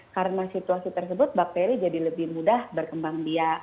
karena situasi tersebut bakteri jadi lebih mudah berkembang biak